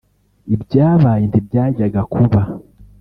ibyabaye ntibyajyaga kuba